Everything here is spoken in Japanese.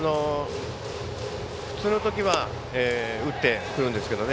普通のときは打ってくるんですけどね。